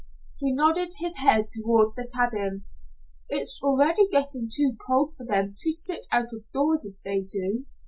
He nodded his head toward the cabin. "It's already getting too cold for them to sit out of doors as they do.